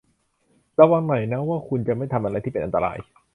ระวังหน่อยนะว่าคุณจะไม่ทำอะไรที่เป็นอันตราย